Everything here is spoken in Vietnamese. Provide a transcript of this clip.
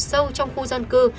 sâu trong khu dân cư